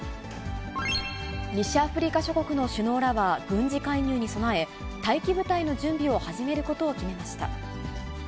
西アフリカ諸国の首脳らは軍事介入に備え、待機部隊の準備を始めることを決めました。